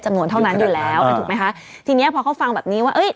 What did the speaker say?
ท้องนานอยู่แล้วถูกมั้ยคะทีเนี้ยพอเขาฟังแบบนี้ว่าเอ้ย